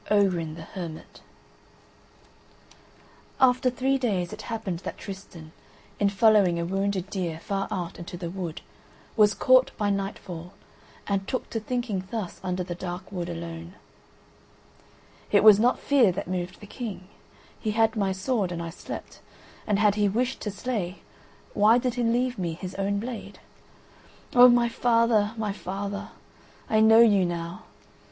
OGRIN THE HERMIT After three days it happened that Tristan, in following a wounded deer far out into the wood, was caught by night fall, and took to thinking thus under the dark wood alone: "It was not fear that moved the King … he had my sword and I slept … and had he wished to slay, why did he leave me his own blade? … O, my father, my father, I know you now.